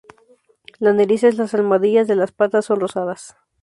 La nariz y las almohadillas de la patas son rosadas.